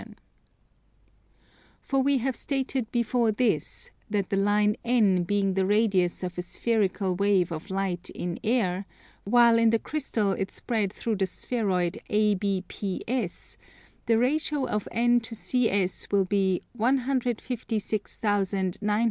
For we have stated before this, that the line N being the radius of a spherical wave of light in air, while in the crystal it spread through the spheroid ABPS, the ratio of N to CS will be 156,962 to 93,410.